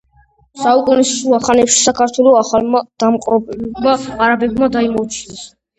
საუკუნის შუა ხანებში საქართველო ახალმა დამპყრობლებმა არაბებმა დაიმორჩილეს.